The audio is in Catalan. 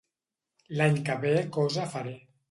L'any que ve cosa faré.